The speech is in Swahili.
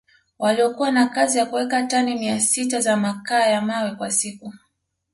waliokuwa na kazi ya kuweka tani mia sita za makaa ya mawe kwa siku